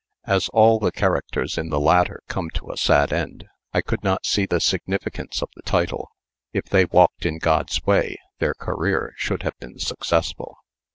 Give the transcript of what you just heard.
As all the characters in the latter come to a sad end, I could not see the significance of the title. If they walked in God's way their career should have been successful.